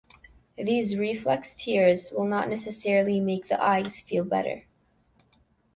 These reflex tears will not necessarily make the eyes feel better.